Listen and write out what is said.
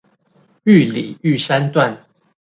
玉里玉山段